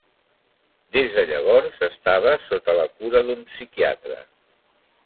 Des de llavors estava sota la cura d'un psiquiatre.